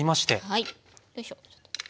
はい。よいしょ。